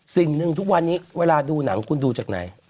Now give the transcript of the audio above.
สิ่งหนึ่งทุกวันนี้เวลาดูหนังคุณดูจากไหน